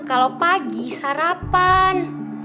kalau pagi sarapan